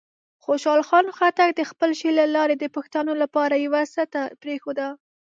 خوشحال خان خټک د خپل شعر له لارې د پښتنو لپاره یوه سټه پرېښوده.